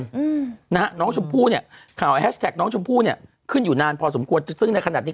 อืมนะฮะน้องชมพูเนี้ยข่าวเนี้ยขึ้นอยู่นานพอสมควรซึ่งในขณะนี้